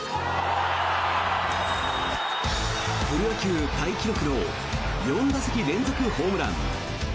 プロ野球タイ記録の４打席連続ホームラン。